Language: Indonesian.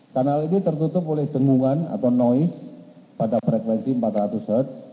kanal ini tertutup oleh dengungan atau noise pada frekuensi empat ratus hz